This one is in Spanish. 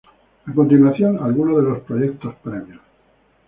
A continuación algunos de los proyectos previos.